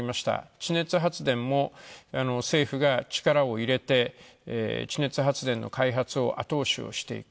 地熱発電も政府が力を入れて地熱発電の開発を後押しをしていく。